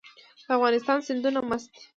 د افغانستان سیندونه مست دي